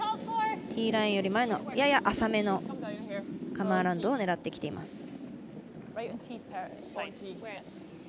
ティーラインより前のやや浅めのカムアラウンドを狙ってきています。